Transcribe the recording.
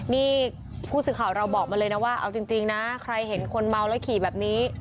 นี่ผู้สื่อข่าวเราบอกมาเลยนะว่าเอาจริงนะใครเห็นคนเมาแล้วขี่แบบนี้